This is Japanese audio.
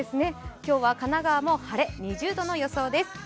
今日は神奈川も晴れ、２０度の予想です。